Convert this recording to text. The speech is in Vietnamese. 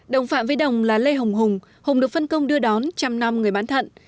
đồng phạm với đồng là lê hồng hùng hùng được phân công đưa đón trăm năm người bán thận